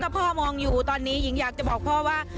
พ่อมองอยู่ตอนนี้หญิงอยากจะบอกพ่อว่า